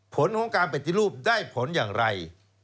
ผลของการปฏิรูปได้ผลอย่างไร